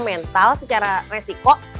mental secara resiko